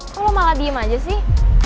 kok lo malah diem aja sih